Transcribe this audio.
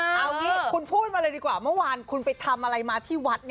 เอางี้คุณพูดมาเลยดีกว่าเมื่อวานคุณไปทำอะไรมาที่วัด